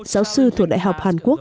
giáo sư thuộc đại học hàn quốc